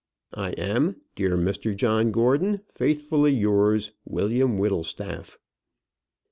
I am, dear Mr John Gordon, faithfully yours, WILLIAM WHITTLESTAFF.